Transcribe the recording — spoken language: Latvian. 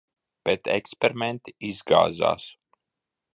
Bet eksperimenti izgāzās.